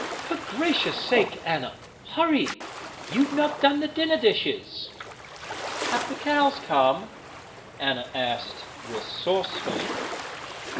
"For gracious sake, Anna! Hurry! You've not done the dinner dishes!" "Have the cows come?" Anna asked, resourcefully.